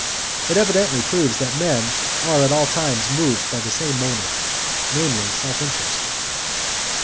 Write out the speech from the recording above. It evidently proves that men are at all times moved by the same motive namely, self interest.